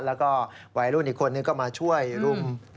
แล้วก็วัยรุ่นอีกคนนึงก็มาช่วยรุม